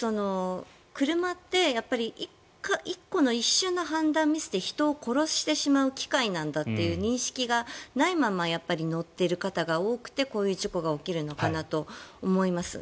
車ってやっぱり１個の、一瞬の判断ミスで人を殺してしまう機械なんだという認識がないままやっぱり乗ってる方が多くてこういう事故が起きるのかなと思います。